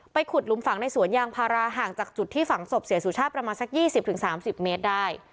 ไปขุดหลุมฝังในสวนยางพาราห่างจากจุดที่ฝังศพเสียสุชาติประมาณสักยี่สิบถึงสามสิบเมตรได้